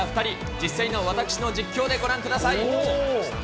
実際の私の実況でご覧ください。